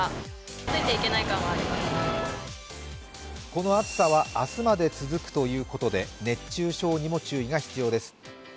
この暑さは明日まで続くということで熱中症にも注意が必要です。